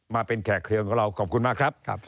มาเป็นแขกขึ้นกับเราขอบคุณมากครับ